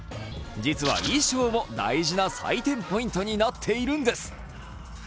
実は衣装も大事な採点ポイントになっているんです。